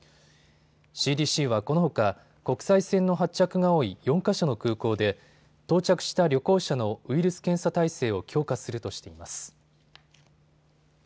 ＣＤＣはこのほか国際線の発着が多い４か所の空港で到着した旅行者のウイルス検査態勢を強化するとしています。